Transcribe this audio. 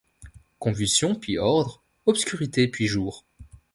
Convulsion, puis ordre ; obscurité, puis jour.